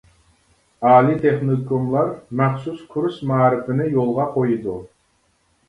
ئالىي تېخنىكوملار مەخسۇس كۇرس مائارىپىنى يولغا قويىدۇ.